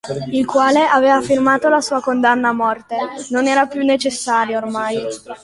Il quale aveva firmato la sua condanna a morte: non era più necessario, ormai.